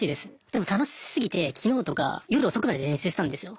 でも楽しすぎてきのうとか夜遅くまで練習したんですよ。